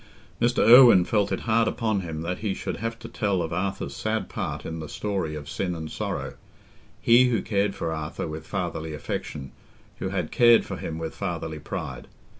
Mr. Irwine felt it hard upon him that he should have to tell of Arthur's sad part in the story of sin and sorrow—he who cared for Arthur with fatherly affection, who had cared for him with fatherly pride.